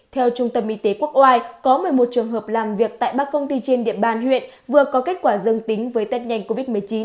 theo trung tâm y tế quốc oai có một mươi một trường hợp làm việc tại ba công ty trên địa bàn huyện vừa có kết quả dương tính với tết nhanh covid một mươi chín